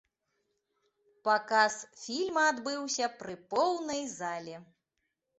Паказ фільма адбыўся пры поўнай зале.